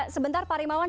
sebentar pak rimawan